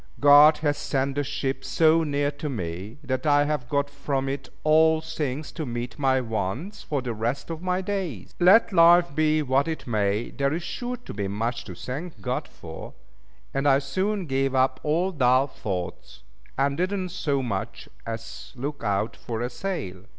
God has sent the ship so near to me, that I have got from it all things to meet my wants for the rest of my days. Let life be what it may, there is sure to be much to thank God for; and I soon gave up all dull thoughts, and did not so much as look out for a sail.